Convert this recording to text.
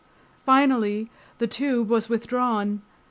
Finally the tube was withdrawn.